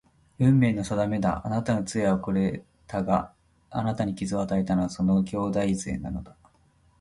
運命の定めだ。あなたの杖はこれだが、あなたに傷を与えたのはその兄弟杖なのだ